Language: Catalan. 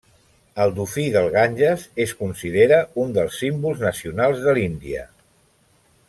El dofí del Ganges es considera un dels símbols nacionals de l'Índia.